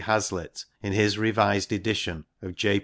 Hazlitt in his revised edition of J.